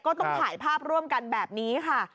ก็ต้องถ่ายภาพร่วมกันแบบนี้ค่ะ